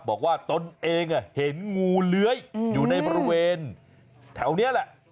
ตนเองเห็นงูเลื้อยอยู่ในบริเวณแถวนี้แหละ